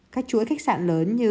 các chuỗi khách sạn lớn như